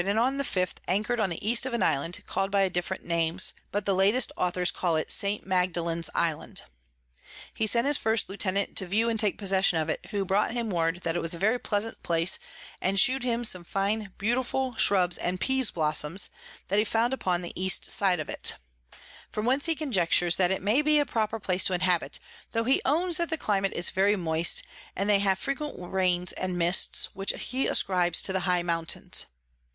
and on the 5_th_ anchor'd on the East of an Island call'd by different Names, but the latest Authors call it St. Magdalens Island. He sent his first Lieutenant to view and take possession of it, who brought him word that it was a very pleasant place, and shew'd him some fine beautiful Shrubs and Pease Blossoms that he found upon the East side of it; from whence he conjectures that it may be a proper place to inhabit, tho he owns that the Climate is very moist, and they have frequent Rains and Mists, which he ascribes to the high Mountains.